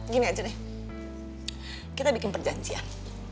gini aja deh kita bikin perjanjian